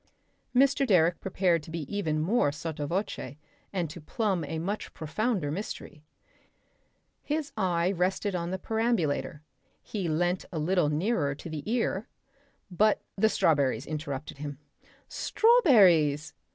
Mr. Direck prepared to be even more sotto voce and to plumb a much profounder mystery. His eye rested on the perambulator; he leant a little nearer to the ear.... But the strawberries interrupted him. "Strawberries!"